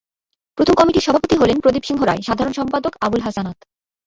প্রথম কমিটির সভাপতি হলেন প্রদীপ সিংহ রায়, সাধারণ সম্পাদক আবুল হাসানাত।